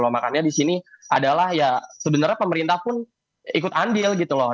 makanya di sini adalah ya sebenarnya pemerintah pun ikut andil gitu loh